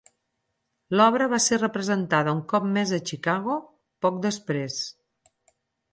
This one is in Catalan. L'obra va ser representada un cop més a Chicago, poc després.